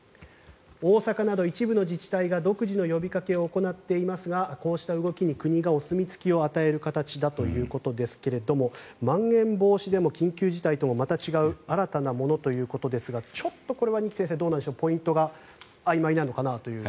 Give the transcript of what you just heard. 大阪など一部の自治体が独自の呼びかけを行っていますがこうした動きに国がお墨付きを与える形だということですがまん延防止とも緊急事態ともまた違う新たなものということですがちょっとこれは二木先生どうなんでしょうポイントがあいまいなのかなという。